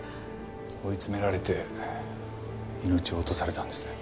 追い詰められて命を落とされたんですね。